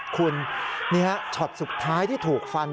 คุณนี่ฮะช็อตสุดท้ายที่ถูกฟัน